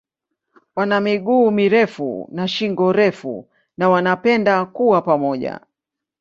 Wana miguu mirefu na shingo refu na wanapenda kuwa pamoja.